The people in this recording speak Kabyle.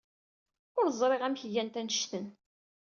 Ur ẓriɣ amek gant annect-en.